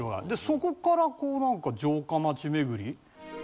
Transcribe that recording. そこからこう何か城下町巡り。